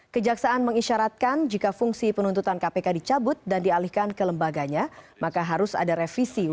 kejaksaan mengisyaratkan jika fungsi penuntutan kpk tidak diatur dalam kejaksaan dengan kpk selama menangani proses penuntutan kasus korupsi di pengadilan tipikor